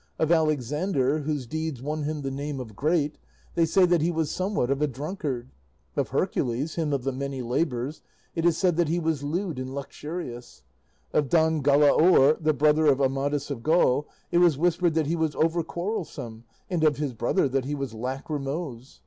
Of Alexander, whose deeds won him the name of Great, they say that he was somewhat of a drunkard. Of Hercules, him of the many labours, it is said that he was lewd and luxurious. Of Don Galaor, the brother of Amadis of Gaul, it was whispered that he was over quarrelsome, and of his brother that he was lachrymose.